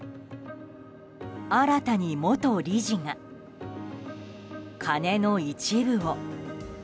新たに元理事が金の一部を。